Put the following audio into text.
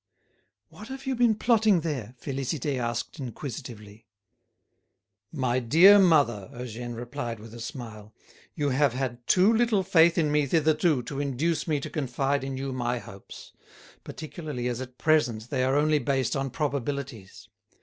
"What have you been plotting there?" Félicité asked inquisitively. "My dear mother," Eugène replied with a smile, "you have had too little faith in me thitherto to induce me to confide in you my hopes, particularly as at present they are only based on probabilities.